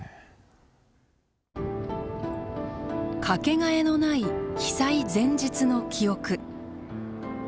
かけがえのない被災前日の記憶。